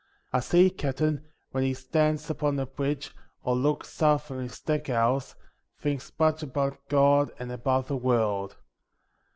A sea captain when he stands upon the bridge, or looks out from his deck house, thinks much about God and about the world.